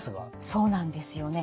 そうなんですよね。